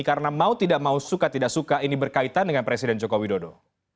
karena mau tidak mau suka tidak suka ini berkaitan dengan presiden jokowi dodo